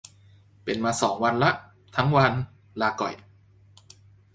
เป็นมาสองวันละ ทั้งวัน ลาก่อย